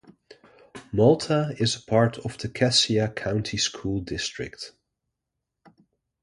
Malta is a part of the Cassia County School District.